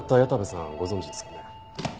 ご存じですよね？